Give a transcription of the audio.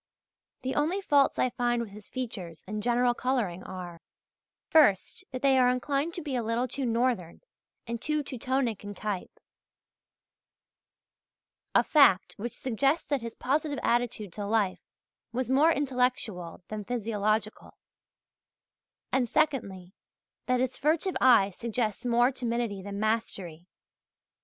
The only faults I find with his features and general colouring are, first, that they are inclined to be a little too northern and too Teutonic in type a fact which suggests that his positive attitude to life was more intellectual than physiological and, secondly, that his furtive eye suggests more timidity than mastery.